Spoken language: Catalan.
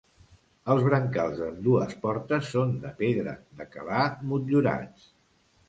Els brancals d'ambdues portes són de pedra de calar, motllurats.